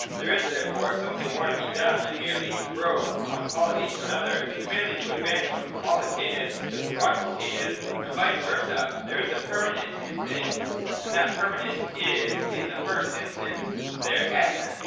There is therefore something more to be done than merely rove from one quality to another, and merely to advance from qualitative to quantitative, and vice versa : there is a permanent in things, and that permanent is in the first 113.] ESSENCE. 209 instance their Essence.